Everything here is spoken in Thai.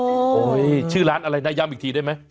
โอ้โหชื่อร้านอะไรนะย้ำอีกทีได้ไหม